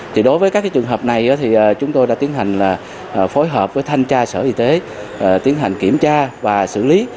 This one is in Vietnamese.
thì đối với các trường hợp này thì chúng tôi đã tiến hành là phối hợp với thanh tra sở y tế tiến hành kiểm tra và xử lý